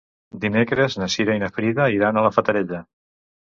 Dimecres na Cira i na Frida iran a la Fatarella.